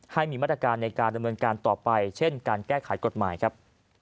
ให้มีมาตรการในการดำเนินการต่อไปเช่นการแก้ไขกฎหมายครับ